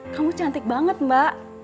kamu cantik banget mbak